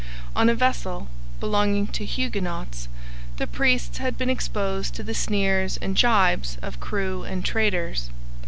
On a vessel belonging to Huguenots, the priests had been exposed to the sneers and gibes of crew and traders.